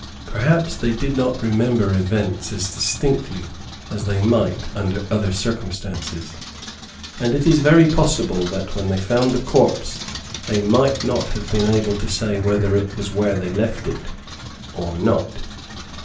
Perhaps they did not remember events as distinctly as they might under other circumstances, and it is very possible, that, when they found the corpse they might not have been able to say whether it was where they left it, or not.